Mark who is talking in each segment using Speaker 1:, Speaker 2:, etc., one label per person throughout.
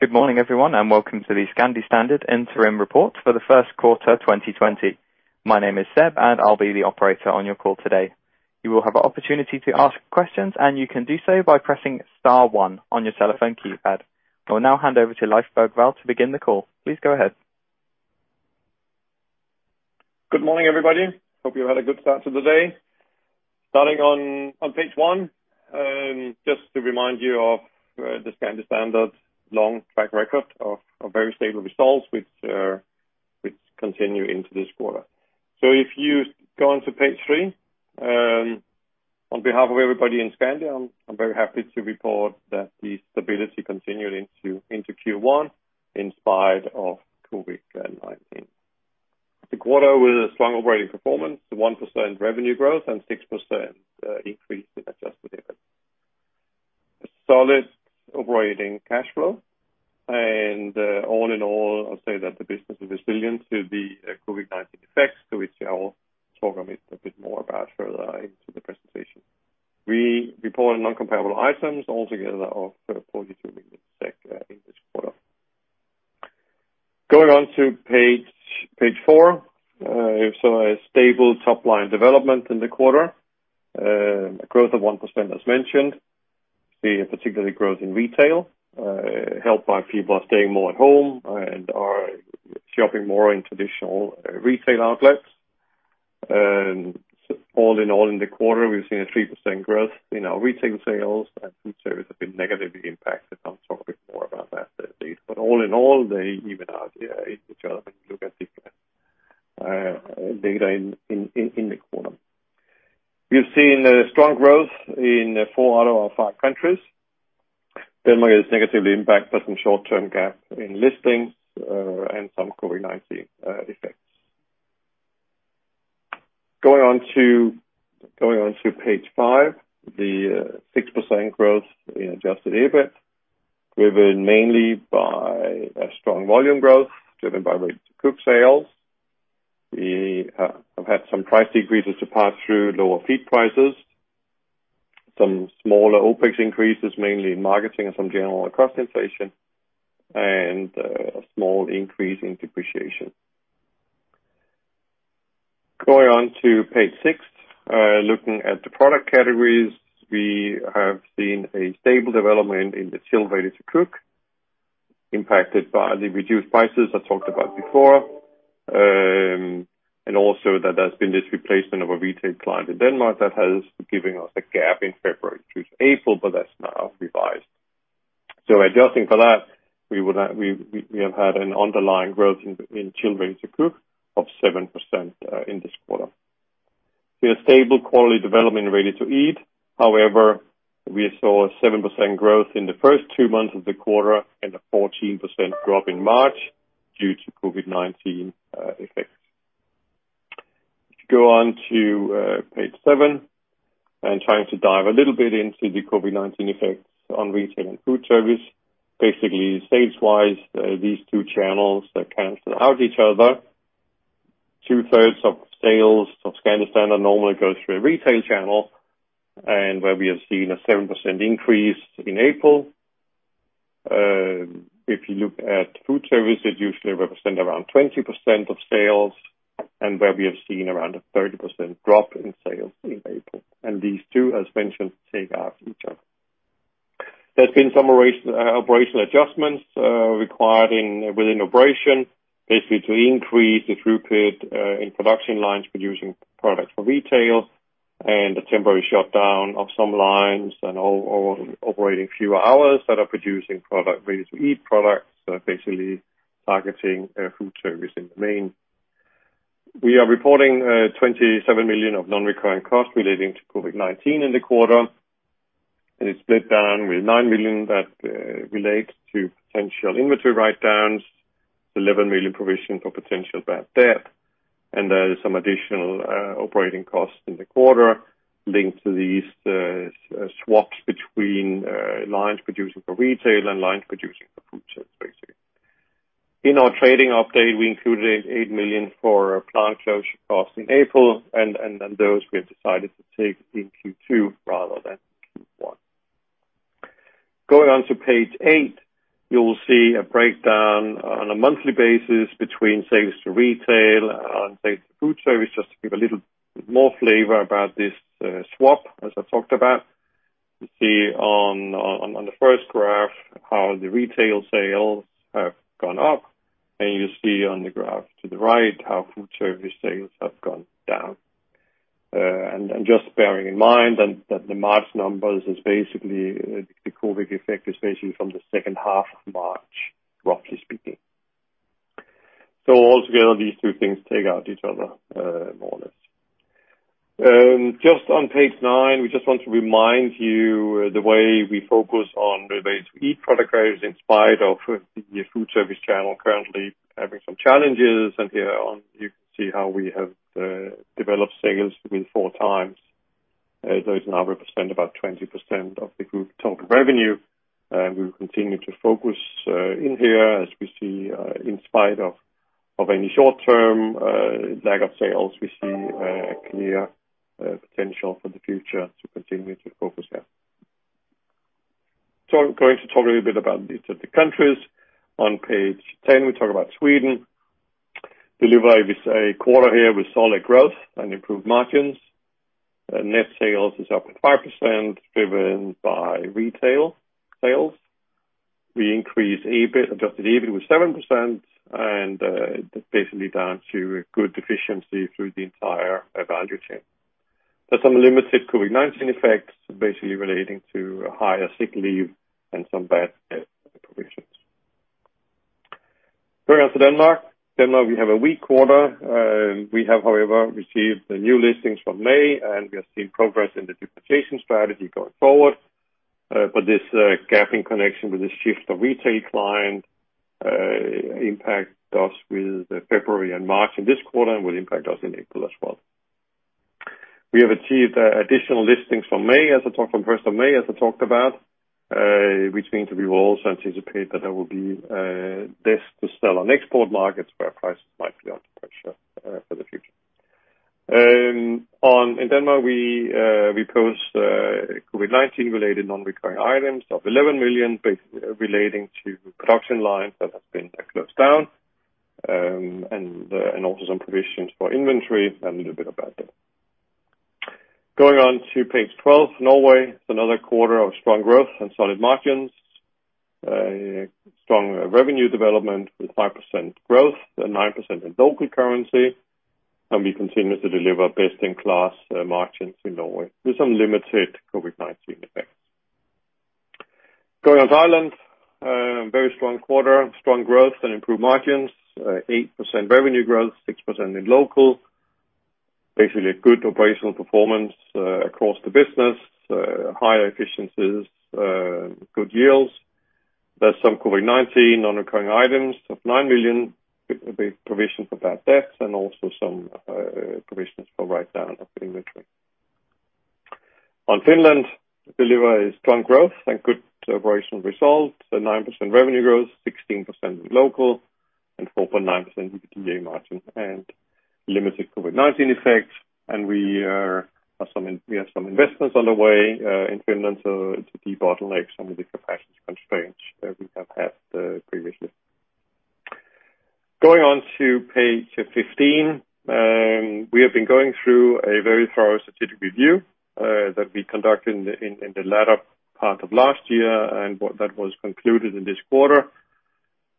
Speaker 1: Good morning, everyone, and welcome to the Scandi Standard Interim Report for the first quarter 2020. My name is Seb, and I'll be the operator on your call today. You will have an opportunity to ask questions, and you can do so by pressing star one on your telephone keypad. I will now hand over to Leif Bergvall to begin the call. Please go ahead.
Speaker 2: Good morning, everybody. Hope you had a good start to the day. Starting on page one, just to remind you of the Scandi Standard long track record of very stable results which continue into this quarter. If you go on to page three, on behalf of everybody in Scandi, I'm very happy to report that the stability continued into Q1 in spite of COVID-19. The quarter was a strong operating performance, 1% revenue growth, and 6% increase in adjusted EBIT. A solid operating cash flow and all in all, I'll say that the business is resilient to the COVID-19 effects, to which I will talk a bit more about further into the presentation. We report non-comparable items all together of SEK 42 million in this quarter. Going on to page four, you saw a stable top-line development in the quarter. A growth of 1% as mentioned, we particularly growth in retail, helped by people are staying more at home and are shopping more in traditional retail outlets. All in all, in the quarter, we've seen a 3% growth in our retail sales, and food service have been negatively impacted. I'll talk a bit more about that. All in all, they even out each other when you look at the data in the quarter. We've seen strong growth in four out of our five countries. Denmark is negatively impacted by some short-term gap in listings and some COVID-19 effects. Going on to page five, the 6% growth in adjusted EBIT, driven mainly by a strong volume growth driven by Ready-to-cook sales. We have had some price decreases to pass through lower feed prices, some smaller OPEX increases, mainly in marketing and some general cost inflation, and a small increase in depreciation. Going on to page six, looking at the product categories, we have seen a stable development in the chilled Ready-to-cook, impacted by the reduced prices I talked about before, and also that there's been this replacement of a retail client in Denmark that has given us a gap in February through to April, but that's now revised. Adjusting for that, we have had an underlying growth in chilled Ready-to-cook of 7% in this quarter. We have stable quality development in Ready-to-eat. However, we saw a 7% growth in the first two months of the quarter and a 14% drop in March due to COVID-19 effects. Go on to page seven, trying to dive a little bit into the COVID-19 effects on retail and food service. Basically, sales-wise, these two channels cancel out each other. Two-thirds of sales of Scandi Standard normally goes through a retail channel, where we have seen a 7% increase in April. If you look at food service, it usually represent around 20% of sales, where we have seen around a 30% drop in sales in April. These two, as mentioned, take out each other. There's been some operational adjustments required within operation, basically to increase the throughput in production lines producing products for retail and a temporary shutdown of some lines and operating fewer hours that are producing Ready-to-eat products, basically targeting food service in the main. We are reporting 27 million of non-recurring costs relating to COVID-19 in the quarter. It's split down with 9 million that relates to potential inventory write-downs, 11 million provision for potential bad debt, and there's some additional operating costs in the quarter linked to these swaps between lines producing for retail and lines producing for food service, basically. In our trading update, we included 8 million for plant closure costs in April. Those we have decided to take in Q2 rather than Q1. Going on to page eight, you will see a breakdown on a monthly basis between sales to retail and sales to food service, just to give a little more flavor about this swap as I talked about. You see on the first graph how the retail sales have gone up, and you see on the graph to the right how food service sales have gone down. Just bearing in mind, that the March numbers is basically the COVID-19 effect from the second half of March, roughly speaking. Altogether, these two things take out each other, more or less. Just on page nine, we just want to remind you the way we focus on Ready-to-eat product areas in spite of the food service channel currently having some challenges. Here on, you can see how we have developed sales to be four times those now represent about 20% of the group total revenue. We will continue to focus in here as we see in spite of any short-term lack of sales, we see a clear potential for the future to continue to focus there. I'm going to talk a little bit about each of the countries. On page 10, we talk about Sweden. Delivered with a quarter here with solid growth and improved margins. Net sales is up at 5%, driven by retail sales. We increased adjusted EBIT with 7% and that's basically down to good efficiency through the entire value chain. There's some limited COVID-19 effects, basically relating to higher sick leave and some bad debt provisions. Going on to Denmark. Denmark, we have a weak quarter. We have, however, received the new listings from May, and we are seeing progress in the duplication strategy going forward. This gap in connection with the shift of retail client impacts us with February and March in this quarter and will impact us in April as well. We have achieved additional listings from 1st of May, as I talked about, which means that we will also anticipate that there will be this to sell on export markets where prices might be under pressure for the future. In Denmark, we post COVID-19 related non-recurring items of 11 million, relating to production lines that have been closed down, and also some provisions for inventory and a little bit of bad debt. Going on to page 12, Norway. It's another quarter of strong growth and solid margins. A strong revenue development with 5% growth and 9% in local currency. We continue to deliver best-in-class margins in Norway with some limited COVID-19 effects. Going on to Ireland. Very strong quarter. Strong growth and improved margins. 8% revenue growth, 6% in local. Basically a good operational performance across the business. Higher efficiencies, good yields. There's some COVID-19 non-recurring items of 9 million. It would be provision for bad debts and also some provisions for write-down of inventory. On Finland, deliver a strong growth and good operational results, a 9% revenue growth, 16% in local and 4.9% EBITDA margin and limited COVID-19 effects. We have some investments on the way in Finland to debottleneck some of the capacity constraints that we have had previously. Going on to page 15. We have been going through a very thorough strategic review that we conducted in the latter part of last year, and that was concluded in this quarter.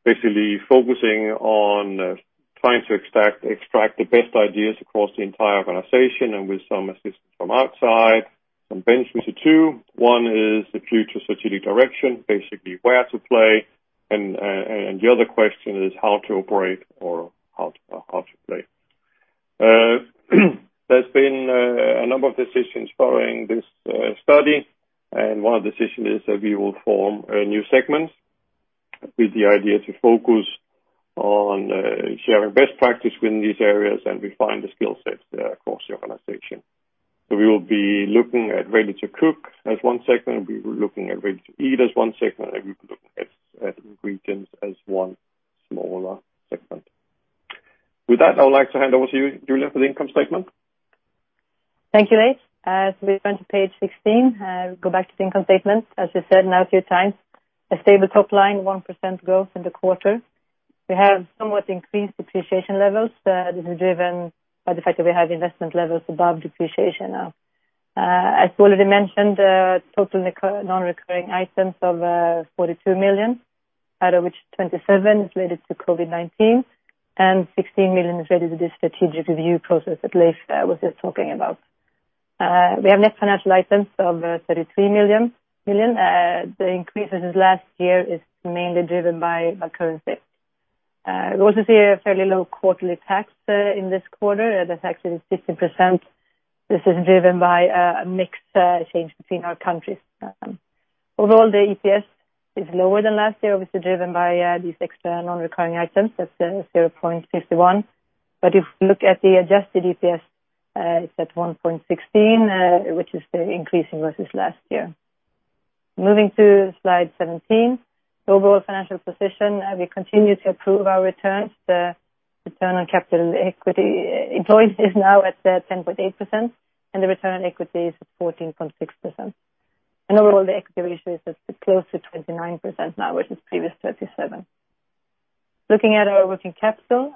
Speaker 2: Basically focusing on trying to extract the best ideas across the entire organization and with some assistance from outside. Some benchmarks to two. One is the future strategic direction, basically where to play, and the other question is how to operate or how to play. There's been a number of decisions following this study, and one of the decision is that we will form new segments with the idea to focus on sharing best practice within these areas, and refine the skill sets across the organization. We will be looking at Ready-to-cook as one segment. We'll be looking at Ready-to-eat as one segment, and we'll be looking at ingredients as one smaller segment. With that, I would like to hand over to you, Julia, for the income statement.
Speaker 3: Thank you, Leif. As we turn to page 16, go back to the income statement. As you said a few times, a stable top line, 1% growth in the quarter. We have somewhat increased depreciation levels. This is driven by the fact that we have investment levels above depreciation now. As already mentioned, total non-recurring items of 42 million, out of which 27 is related to COVID-19 and 16 million is related to this strategic review process that Leif was just talking about. We have net financial items of 33 million. The increase since last year is mainly driven by currency. We also see a fairly low quarterly tax in this quarter. The tax is 15%. This is driven by a mix change between our countries. Overall, the EPS is lower than last year, obviously driven by these extra non-recurring items. That's 0.51. If you look at the adjusted EPS, it's at 1.16, which is the increase versus last year. Moving to slide 17, the overall financial position. We continue to improve our returns. The return on capital equity employed is now at 10.8%, and the return on equity is at 14.6%. Overall, the equity ratio is at close to 29% now, versus previous 37%. Looking at our working capital,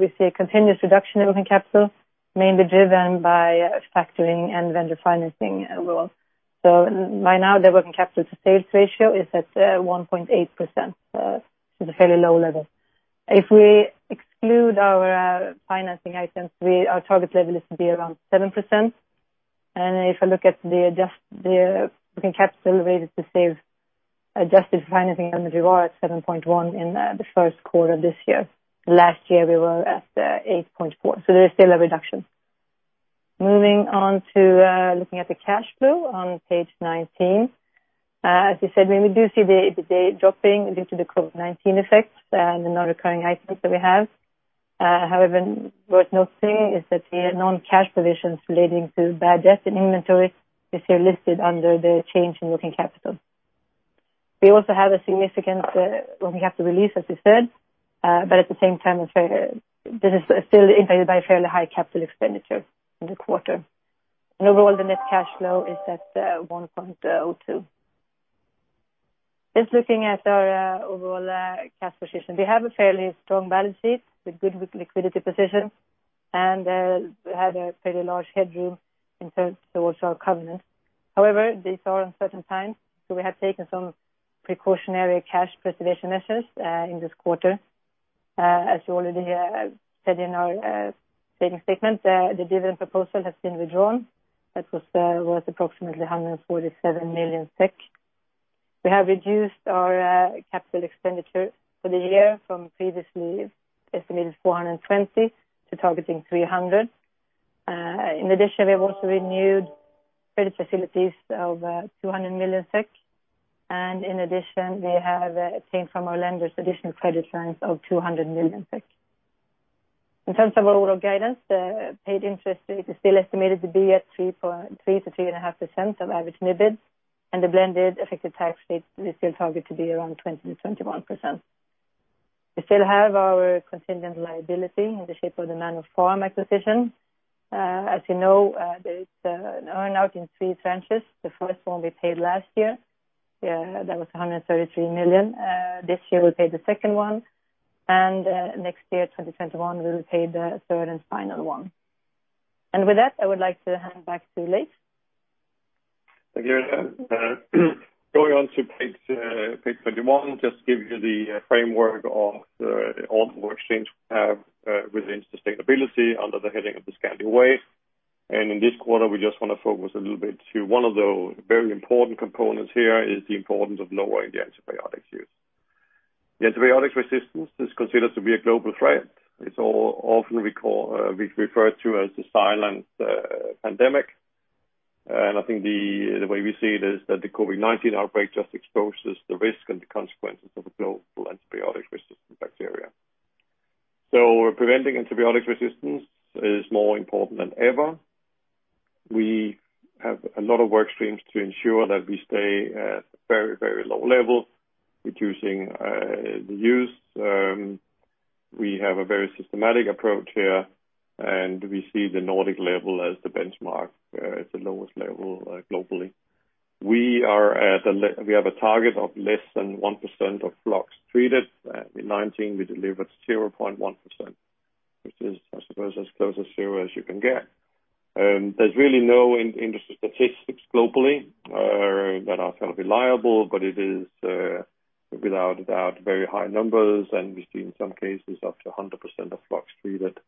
Speaker 3: we see a continuous reduction in working capital, mainly driven by factoring and vendor financing as well. By now, the working capital to sales ratio is at 1.8%, so it's a fairly low level. If we exclude our financing items, our target level is to be around 7%. If I look at the working capital related to sales, adjusted financing and inventory were at 7.1% in the first quarter this year. Last year, we were at 8.4%. There is still a reduction. Moving on to looking at the cash flow on page 19. As you said, we do see the debt dropping due to the COVID-19 effects and the non-recurring items that we have. Worth noting is that the non-cash provisions relating to bad debt and inventory is here listed under the change in working capital. We also have a significant, well, we have to release, as we said. At the same time, this is still impacted by fairly high capital expenditure in the quarter. Overall, the net cash flow is at 1.02. Just looking at our overall cash position, we have a fairly strong balance sheet with good liquidity positions, and we have a fairly large headroom in terms towards our covenant. These are uncertain times. We have taken some precautionary cash preservation measures in this quarter. As you already said in our statement, the dividend proposal has been withdrawn. That was worth approximately 147 million SEK. We have reduced our CapEx for the year from previously estimated 420 million to targeting 300 million. We have also renewed credit facilities of 200 million SEK, and we have seen from our lenders additional credit lines of 200 million. In terms of overall guidance, the paid interest rate is still estimated to be at 3%-3.5% of average NIBD. The blended effective tax rate we still target to be around 20%-21%. We still have our contingent liability in the shape of the Manor Farm acquisition. As you know, there is an earn-out in three tranches. The first one we paid last year, that was 133 million. This year, we paid the second one, and next year, 2021, we'll pay the third and final one. With that, I would like to hand back to Leif.
Speaker 2: Thank you. Going on to page 21, just to give you the framework of all the work streams we have within sustainability under the heading of The Scandi Way. In this quarter, we just want to focus a little bit to one of the very important components here is the importance of lowering the antibiotic use. The antibiotic resistance is considered to be a global threat. It's often referred to as the silent pandemic. I think the way we see it is that the COVID-19 outbreak just exposes the risk and the consequences of a global antibiotic resistant bacteria. Preventing antibiotic resistance is more important than ever. We have a lot of work streams to ensure that we stay at very, very low levels, reducing the use. We have a very systematic approach here, and we see the Nordic level as the benchmark. It's the lowest level globally. We have a target of less than 1% of flocks treated. In 2019, we delivered 0.1%, which is, I suppose, as close as zero as you can get. There's really no industry statistics globally that are reliable. It is without a doubt, very high numbers, and we see in some cases up to 100% of flocks treated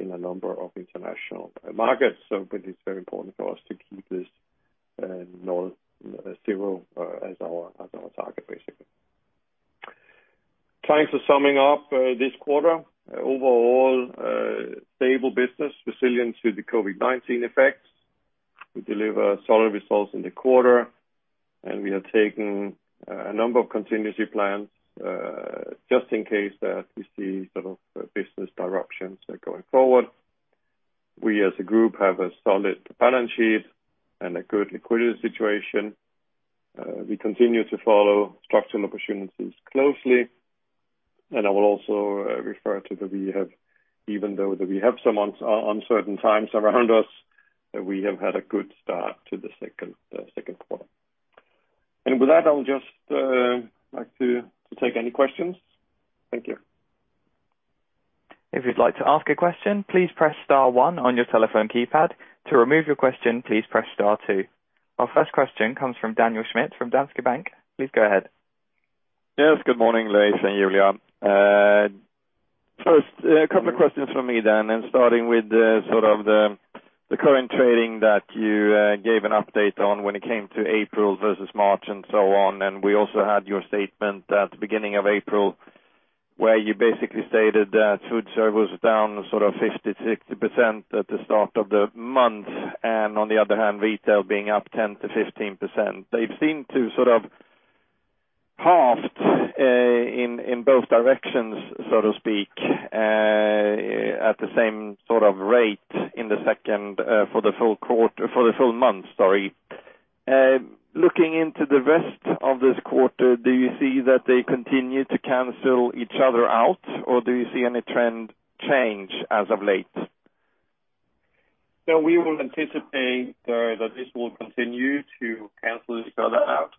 Speaker 2: in a number of international markets. It's very important for us to keep this zero as our target, basically. Time to summing up this quarter. Overall stable business resilience with the COVID-19 effects. We deliver solid results in the quarter, and we have taken a number of contingency plans, just in case we see business disruptions going forward. We as a group have a solid balance sheet and a good liquidity situation. We continue to follow structural opportunities closely. I will also refer to that even though that we have some uncertain times around us, that we have had a good start to the second quarter. With that, I would just like to take any questions. Thank you.
Speaker 1: If you'd like to ask a question, please press star one on your telephone keypad. To remove your question, please press star two. Our first question comes from Daniel Schmidt from Danske Bank. Please go ahead.
Speaker 4: Yes, good morning, Leif and Julia. First, a couple of questions from me then, starting with the current trading that you gave an update on when it came to April versus March and so on. We also had your statement at the beginning of April where you basically stated that foodservice was down 50%, 60% at the start of the month. On the other hand, retail being up 10%-15%. They seem to sort of halved in both directions, so to speak, at the same sort of rate for the full month. Looking into the rest of this quarter, do you see that they continue to cancel each other out, or do you see any trend change as of late?
Speaker 2: We will anticipate that this will continue to cancel each other out.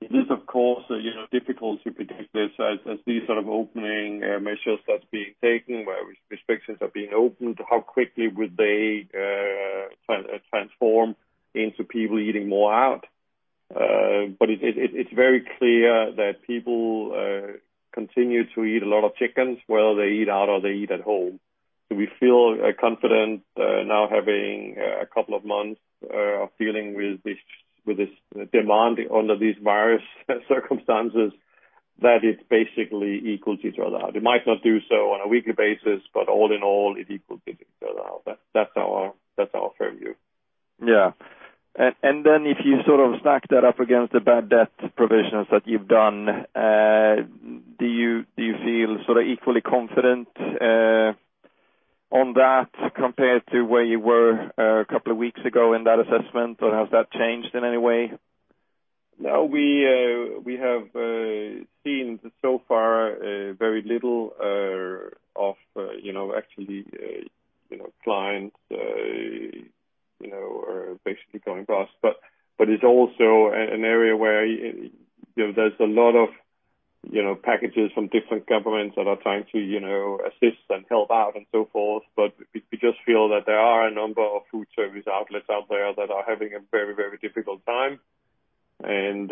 Speaker 2: It is of course difficult to predict this as these sort of opening measures that's being taken, where restrictions are being opened, how quickly would they transform into people eating more out. It's very clear that people continue to eat a lot of chickens, whether they eat out or they eat at home. We feel confident now having a couple of months of dealing with this demand under these virus circumstances that it basically equals each other out. It might not do so on a weekly basis, but all in all, it equals each other out. That's our fair view.
Speaker 4: Yeah. If you sort of stack that up against the bad debt provisions that you've done, do you feel sort of equally confident on that, compared to where you were a couple of weeks ago in that assessment, has that changed in any way?
Speaker 2: No. We have seen so far very little of actually clients are basically going bust. It's also an area where there's a lot of packages from different governments that are trying to assist and help out and so forth. We just feel that there are a number of food service outlets out there that are having a very difficult time, and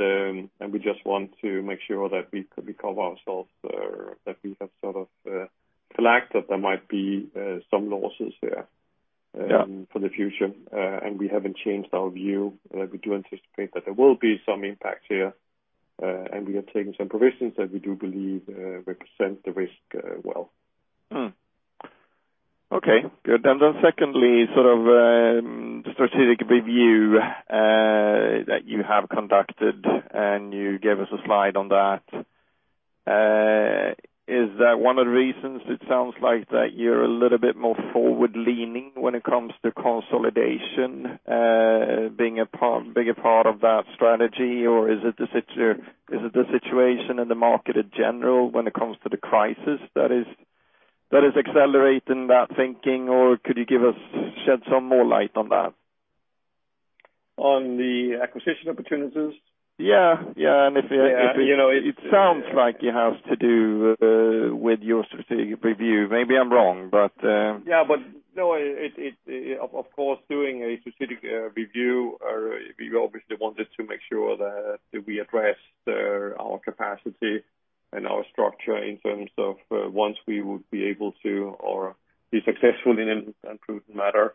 Speaker 2: we just want to make sure that we cover ourselves, that we have sort of flagged that there might be some losses there.
Speaker 4: Yeah.
Speaker 2: For the future, and we haven't changed our view. We do anticipate that there will be some impact here, and we have taken some provisions that we do believe represent the risk well.
Speaker 4: Okay, good. Secondly, sort of the strategic review that you have conducted, and you gave us a slide on that. Is that one of the reasons it sounds like that you're a little bit more forward-leaning when it comes to consolidation, being a bigger part of that strategy? Is it the situation in the market in general when it comes to the crisis that is accelerating that thinking? Could you shed some more light on that?
Speaker 2: On the acquisition opportunities?
Speaker 4: Yeah.
Speaker 2: Yeah.
Speaker 4: It sounds like it has to do with your strategic review.
Speaker 2: Yeah. No, of course, doing a strategic review, we obviously wanted to make sure that we addressed our capacity and our structure in terms of once we would be able to or be successful in an improved matter.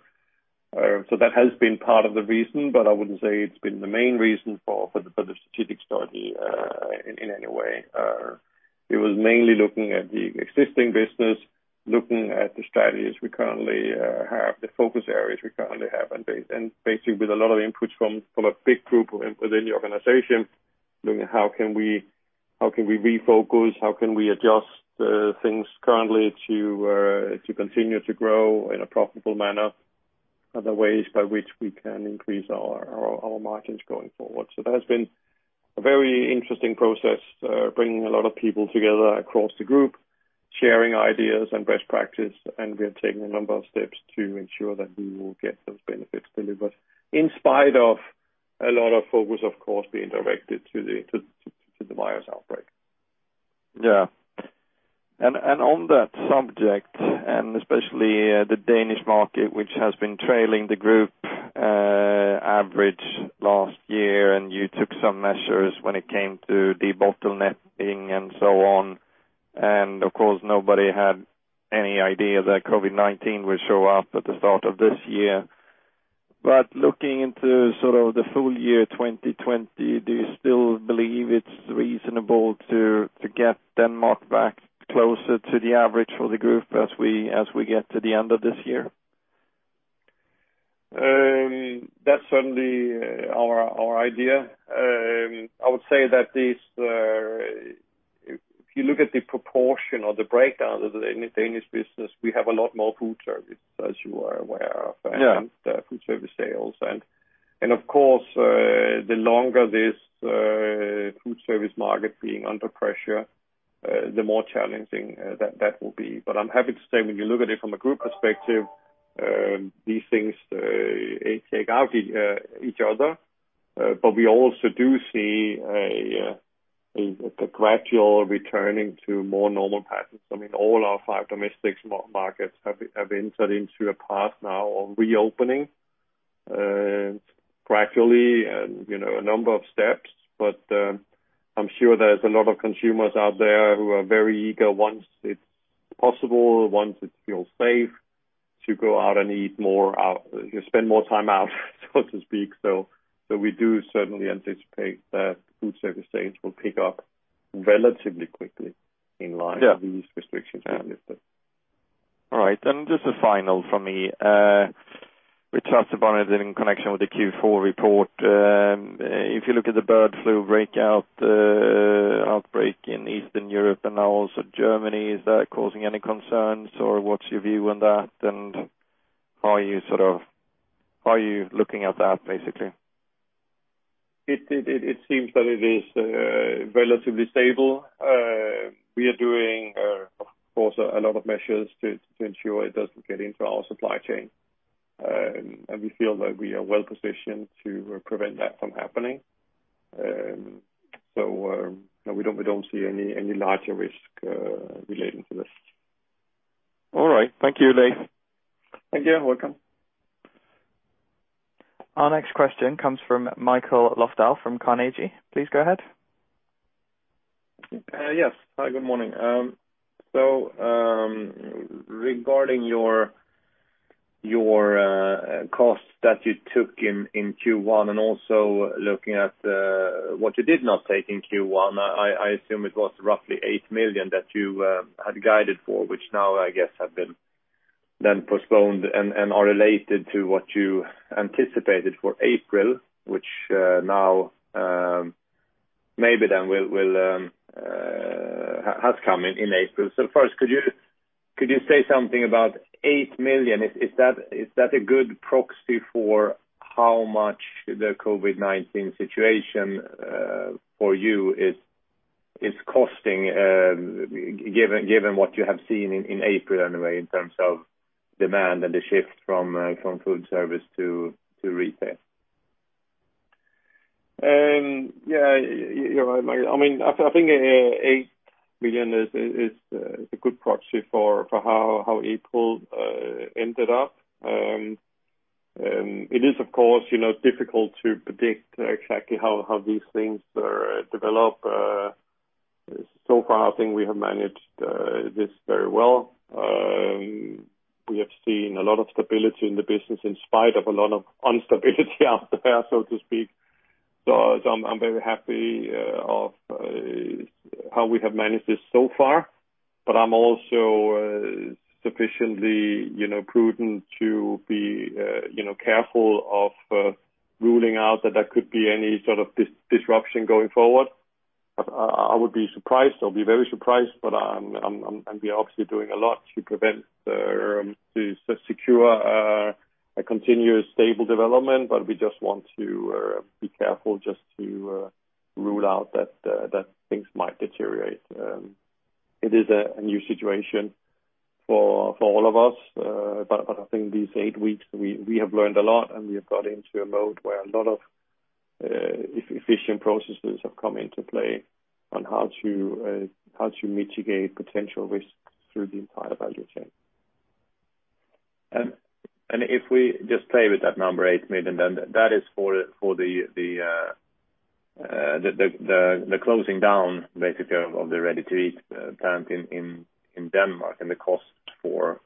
Speaker 2: That has been part of the reason, but I wouldn't say it's been the main reason for the strategic study in any way. It was mainly looking at the existing business, looking at the strategies we currently have, the focus areas we currently have, and basically with a lot of inputs from a big group within the organization, looking at how can we refocus, how can we adjust things currently to continue to grow in a profitable manner, other ways by which we can increase our margins going forward. That has been a very interesting process, bringing a lot of people together across the group, sharing ideas and best practice, and we are taking a number of steps to ensure that we will get those benefits delivered in spite of a lot of focus, of course, being directed to the virus outbreak.
Speaker 4: Yeah. On that subject, and especially the Danish market, which has been trailing the group average last year, and you took some measures when it came to debottlenecking and so on. Of course, nobody had any idea that COVID-19 would show up at the start of this year. Looking into sort of the full year 2020, do you still believe it's reasonable to get Denmark back closer to the average for the group as we get to the end of this year?
Speaker 2: That's certainly our idea. I would say that if you look at the proportion or the breakdown of the Danish business, we have a lot more food service, as you are aware of.
Speaker 4: Yeah.
Speaker 2: Food service sales. Of course, the longer this food service market being under pressure, the more challenging that will be. I'm happy to say, when you look at it from a group perspective, these things take out each other. We also do see a gradual returning to more normal patterns. All our five domestic markets have entered into a path now of reopening gradually and a number of steps. I'm sure there's a lot of consumers out there who are very eager, once it's possible, once it feels safe, to go out and eat more out, spend more time out, so to speak. We do certainly anticipate that food service sales will pick up relatively quickly in line.
Speaker 4: Yeah.
Speaker 2: With these restrictions being lifted.
Speaker 4: All right. Just a final from me, which was abandoned in connection with the Q4 report. If you look at the bird flu outbreak in Eastern Europe and now also Germany, is that causing any concerns, or what's your view on that? How are you looking at that, basically?
Speaker 2: It seems that it is relatively stable. We are doing, of course, a lot of measures to ensure it doesn't get into our supply chain, and we feel that we are well-positioned to prevent that from happening. We don't see any larger risk relating to this.
Speaker 4: All right. Thank you, [Leif].
Speaker 2: Thank you. You're welcome.
Speaker 1: Our next question comes from [Mikael Löfdahl] from Carnegie. Please go ahead.
Speaker 5: Yes. Hi, good morning. Regarding your costs that you took in Q1 and also looking at what you did not take in Q1, I assume it was roughly 8 million that you had guided for, which now, I guess, have been then postponed and are related to what you anticipated for April, which now has come in April. First, could you say something about 8 million? Is that a good proxy for how much the COVID-19 situation for you is costing, given what you have seen in April anyway, in terms of demand and the shift from food service to retail?
Speaker 2: Yeah, you're right. I think 8 million is a good proxy for how April ended up. It is, of course, difficult to predict exactly how these things develop. So far, I think we have managed this very well. We have seen a lot of stability in the business in spite of a lot of instability out there, so to speak. I'm very happy of how we have managed this so far, but I'm also sufficiently prudent to be careful of ruling out that there could be any sort of disruption going forward. I would be surprised. I'll be very surprised, but we are obviously doing a lot to prevent, to secure a continuous stable development. We just want to be careful just to rule out that things might deteriorate. It is a new situation for all of us. I think these eight weeks, we have learned a lot, and we have got into a mode where a lot of efficient processes have come into play on how to mitigate potential risks through the entire value chain.
Speaker 5: If we just play with that number, 8 million, then that is for the closing down, basically, of the Ready-to-eat plant in Denmark and the cost for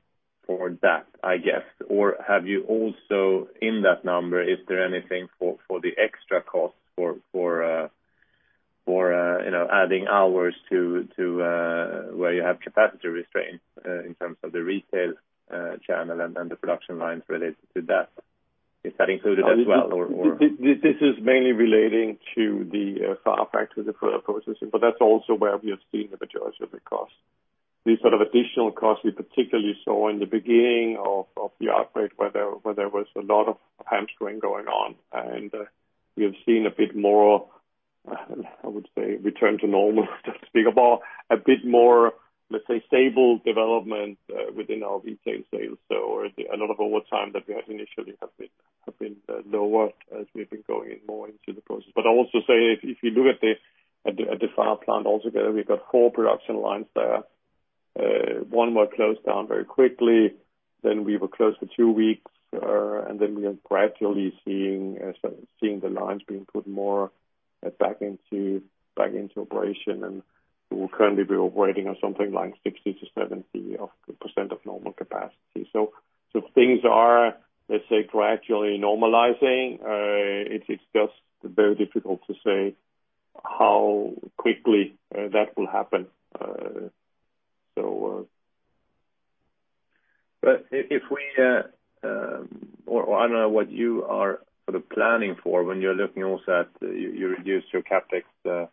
Speaker 5: that, I guess. Have you also, in that number, is there anything for the extra cost for adding hours to where you have capacity restraint in terms of the retail channel and the production lines related to that? Is that included as well, or?
Speaker 2: This is mainly relating to the Farre factory, the food processing. That's also where we have seen the majority of the cost. The sort of additional cost we particularly saw in the beginning of the outbreak, where there was a lot of hamstering going on. We have seen a bit more, I would say, return to normal, so to speak, about a bit more, let's say, stable development within our retail sales. A lot of overtime that we had initially have been lower as we've been going more into the process. I'll also say, if you look at the Farre plant altogether, we've got four production lines there. One were closed down very quickly. We were closed for two weeks. We are gradually seeing the lines being put more back into operation. We will currently be operating on something like 60%-70% of normal capacity. Things are, let's say, gradually normalizing. It is just very difficult to say how quickly that will happen.
Speaker 5: If we, or I don't know what you are sort of planning for when you're looking also at you reduce your CapEx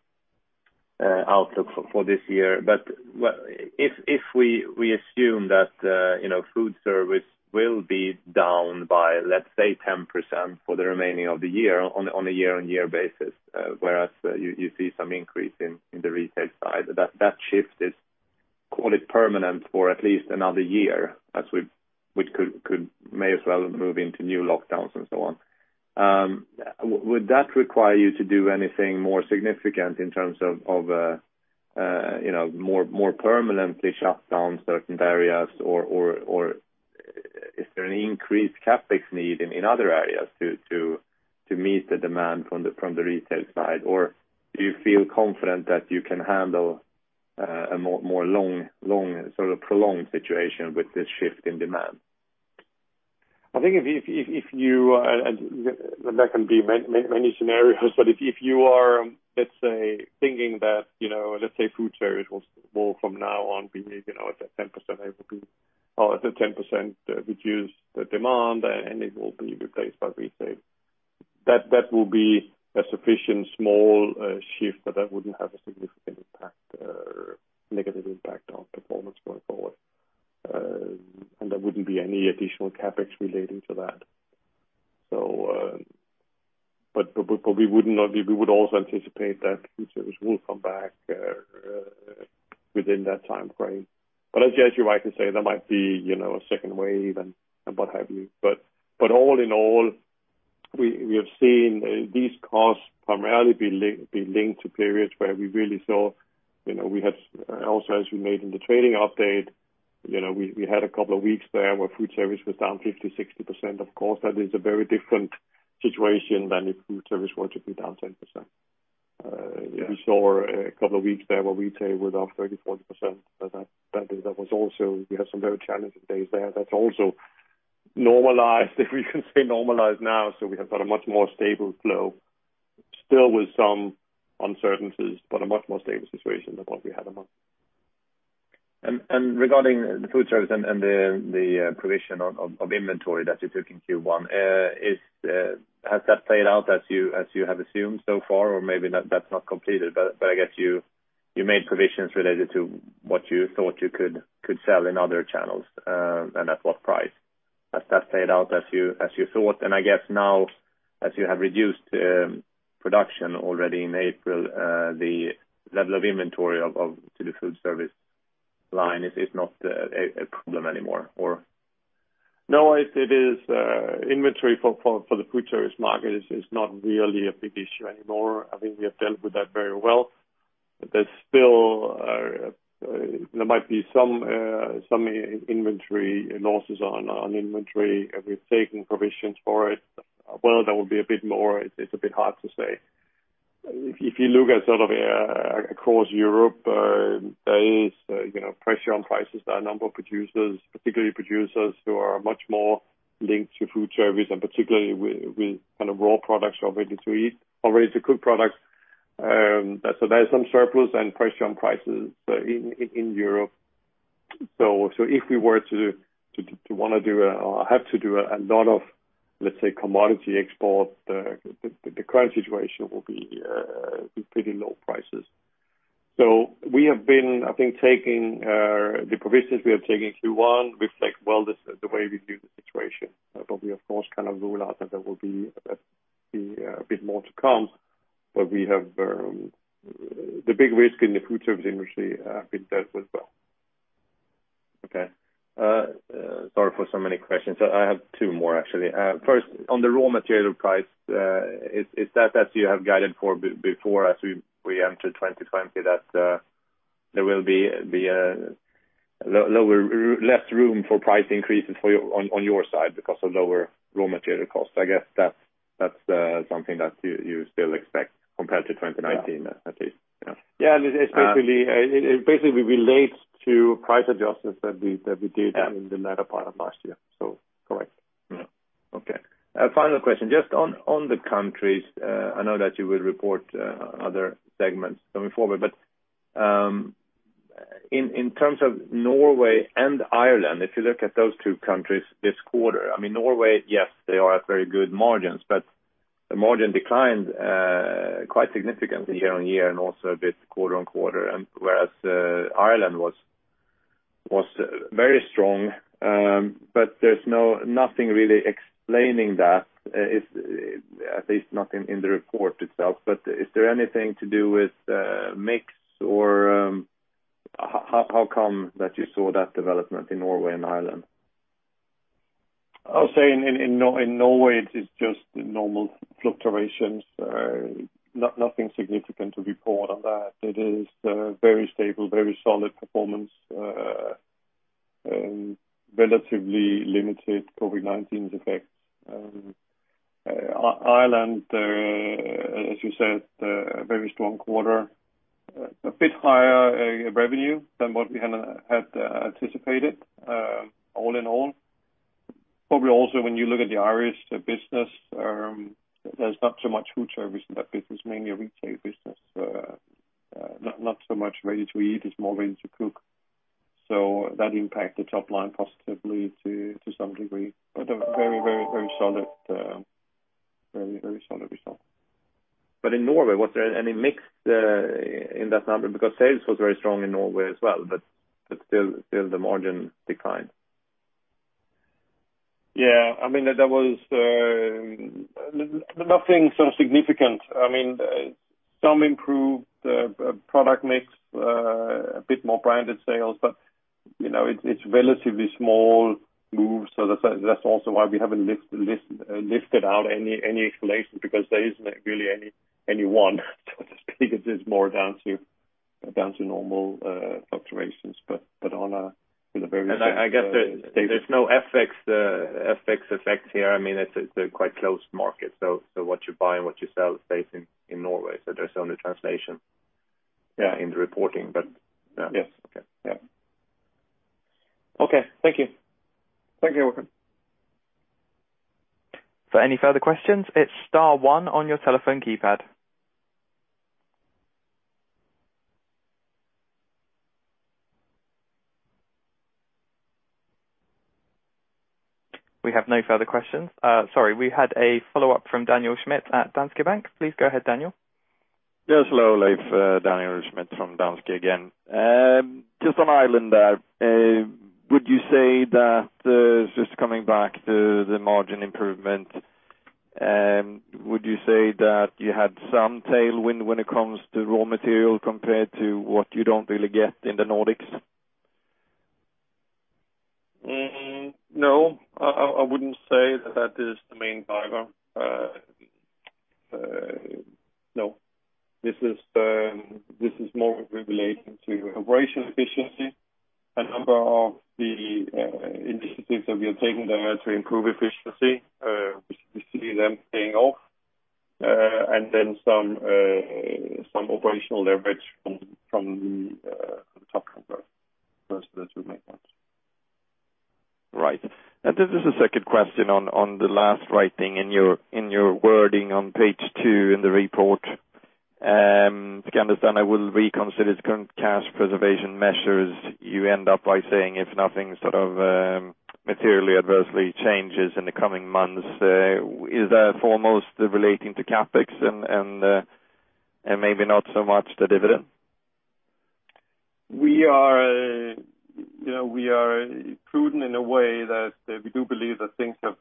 Speaker 5: outlook for this year. If we assume that food service will be down by, let's say, 10% for the remaining of the year on a year-on-year basis, whereas you see some increase in the retail side, that shift is, call it permanent for at least another year, as we could may as well move into new lockdowns and so on. Would that require you to do anything more significant in terms of more permanently shut down certain areas, or is there an increased CapEx need in other areas to meet the demand from the retail side? Do you feel confident that you can handle a more long, sort of prolonged situation with this shift in demand?
Speaker 2: I think if you There can be many scenarios, but if you are, let's say, thinking that let's say food service will from now on be at a 10% reduce the demand, and it will be replaced by retail. That will be a sufficient small shift, but that wouldn't have a significant impact, negative impact on performance going forward. There wouldn't be any additional CapEx relating to that. We would also anticipate that food service will come back within that timeframe. As you rightly say, there might be a second wave and what have you. All in all, we have seen these costs primarily be linked to periods where we really saw, we had also, as we made in the trading update, we had a couple of weeks there where food service was down 50%, 60%. Of course, that is a very different situation than if food service were to be down 10%.
Speaker 5: Yeah.
Speaker 2: We saw a couple of weeks there where retail was up 30%, 40%, but we had some very challenging days there. That's also normalized, if we can say normalized now. We have got a much more stable flow, still with some uncertainties, but a much more stable situation than what we had.
Speaker 5: Regarding the food service and the provision of inventory that you took in Q1, has that played out as you have assumed so far? Maybe that's not completed, but I guess you made provisions related to what you thought you could sell in other channels, and at what price. Has that played out as you thought? I guess now, as you have reduced production already in April, the level of inventory to the food service line is not a problem anymore or?
Speaker 2: No, inventory for the food service market is not really a big issue anymore. I think we have dealt with that very well. There might be some losses on inventory. We've taken provisions for it. Well, there will be a bit more. It's a bit hard to say. If you look at sort of across Europe, there is pressure on prices by a number of producers, particularly producers who are much more linked to food service and particularly with kind of raw products or Ready-to-eat or Ready-to-cook products. There is some surplus and pressure on prices in Europe. If we were to want to do or have to do a lot of, let's say, commodity exports, the current situation will be pretty low prices. We have been, I think, the provisions we have taken in Q1 reflect well, this is the way we view the situation. We of course cannot rule out that there will be a bit more to come. The big risk in the food service industry has been dealt with well.
Speaker 5: Okay. Sorry for so many questions. I have two more actually. First, on the raw material price, is that as you have guided for before as we enter 2020, that there will be less room for price increases on your side because of lower raw material costs? I guess that's something that you still expect compared to 2019 at least, yeah.
Speaker 2: Yeah. It basically relates to price adjustments that we did.
Speaker 5: Yeah.
Speaker 2: In the latter part of last year. Correct.
Speaker 5: Yeah. Okay. Final question, just on the countries, I know that you will report other segments going forward, but in terms of Norway and Ireland, if you look at those two countries this quarter, I mean, Norway, yes, they are at very good margins, but the margin declined quite significantly year-on-year and also a bit quarter-on-quarter, whereas Ireland was very strong. There's nothing really explaining that, at least not in the report itself. Is there anything to do with mix? How come that you saw that development in Norway and Ireland?
Speaker 2: I'll say in Norway, it is just normal fluctuations. Nothing significant to report on that. It is very stable, very solid performance, relatively limited COVID-19's effects. Ireland, as you said, a very strong quarter, a bit higher revenue than what we had anticipated all in all. Probably also, when you look at the Irish business, there's not so much food service in that business, mainly a retail business. Not so much Ready-to-eat, it's more Ready-to-cook. A very, very, very solid result.
Speaker 5: In Norway, was there any mix in that number? Because sales was very strong in Norway as well, but still the margin declined.
Speaker 2: Yeah, there was nothing sort of significant. Some improved product mix, a bit more branded sales, but it's relatively small moves. That's also why we haven't lifted out any explanation, because there isn't really any one, so to speak. It is more down to normal fluctuations, but on a very stable.
Speaker 5: I guess there's no FX effect here. It's a quite closed market, so what you buy and what you sell stays in Norway. There's only translation.
Speaker 2: Yeah.
Speaker 5: In the reporting, yeah.
Speaker 2: Yes.
Speaker 5: Okay.
Speaker 2: Yeah.
Speaker 5: Okay. Thank you.
Speaker 2: Thank you, Welcome.
Speaker 1: For any further questions, it's star one on your telephone keypad. We have no further questions. Sorry, we had a follow-up from Daniel Schmidt at Danske Bank. Please go ahead, Daniel.
Speaker 4: Yes. Hello, Leif. Daniel Schmidt from Danske again. Just on Ireland, would you say that, just coming back to the margin improvement, would you say that you had some tailwind when it comes to raw material compared to what you don't really get in the Nordics?
Speaker 2: No, I wouldn't say that is the main driver. No. This is more relating to operational efficiency. A number of the initiatives that we are taking there to improve efficiency, we see them paying off, and then some operational leverage from the top line growth. Those are the two main ones.
Speaker 4: Right. This is a second question on the last writing in your wording on page two in the report. If I can understand, I will reconsider the current cash preservation measures. You end up by saying if nothing materially adversely changes in the coming months, is that foremost relating to CapEx and maybe not so much the dividend?
Speaker 2: We are prudent in a way that we do believe that things have,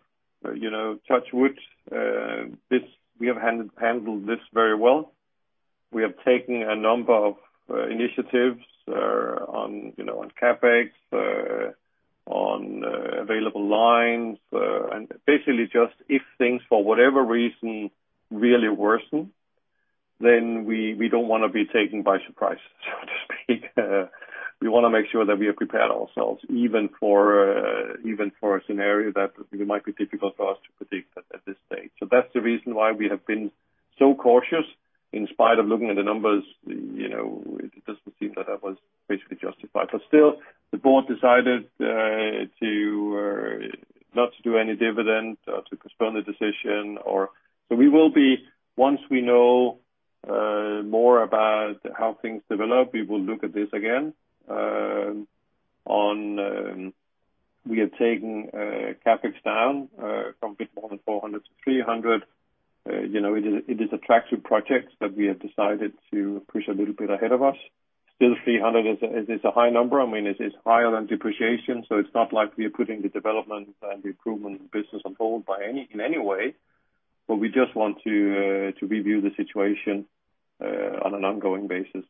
Speaker 2: touch wood, we have handled this very well. We have taken a number of initiatives on CapEx, on available lines. Basically just if things, for whatever reason, really worsen, then we don't want to be taken by surprise, so to speak. We want to make sure that we have prepared ourselves, even for a scenario that might be difficult for us to predict at this stage. That's the reason why we have been so cautious in spite of looking at the numbers. It doesn't seem that that was basically justified. Still, the board decided not to do any dividend, to postpone the decision. We will be, once we know more about how things develop, we will look at this again. We have taken CapEx down from a bit more than 400 to 300. It is attractive projects that we have decided to push a little bit ahead of us. Still 300 is a high number. It's higher than depreciation. It's not like we are putting the development and the improvement business on hold in any way. We just want to review the situation on an ongoing basis.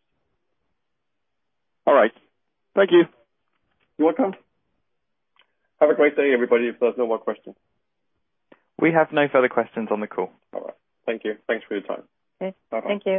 Speaker 4: All right. Thank you.
Speaker 2: You're welcome. Have a great day, everybody, if there's no more questions.
Speaker 1: We have no further questions on the call.
Speaker 2: All right. Thank you. Thanks for your time.
Speaker 3: Okay. Thank you.